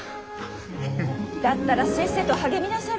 だったらせっせと励みなされ。